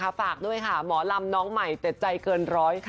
ฝากด้วยค่ะหมอลำน้องใหม่แต่ใจเกินร้อยค่ะ